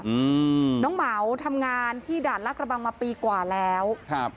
อืมน้องเหมาทำงานที่ด่านลากระบังมาปีกว่าแล้วครับ